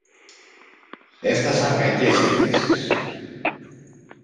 Έφθασαν κακές ειδήσεις.